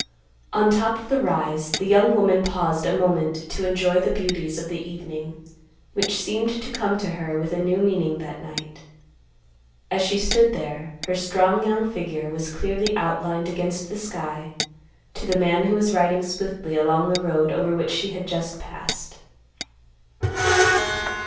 On top of the rise, the young woman paused a moment to enjoy the beauties of the evening, which seemed to come to her with a new meaning that night. As she stood there, her strong young figure was clearly outlined against the sky to the man who was riding swiftly along the road over which she had just passed.